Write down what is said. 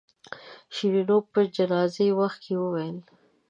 شیرینو په جنازې وخت کې وویل.